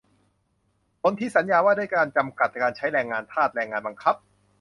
สนธิสัญญาว่าด้วยการกำจัดการใช้แรงงานทาส แรงงานบังคับ